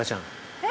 ◆えっ？